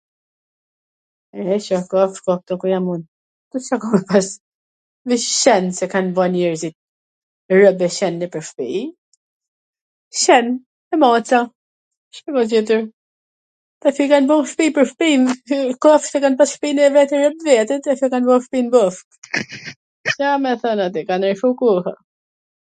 E, Ca kafsh ka ktu ku jam un. Ca kafshwsh, veC qen se kan ba njerzit, rob e qen nwpwr shpi, qen, maca, Ca ka tjewr, tash i kan ba shpi pwr shpi, kafsht e kan pas shpin e vet, tani kan ba shpin bashk, Ca me thwn, or ti, ka ndryshu koha,